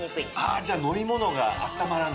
ああじゃあ飲み物があったまらない。